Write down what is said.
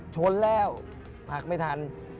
ชนแล้วผลักไม่ทัน